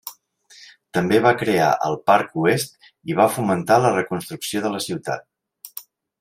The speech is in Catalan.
També va crear el Parc Oest i va fomentar la reconstrucció de la ciutat.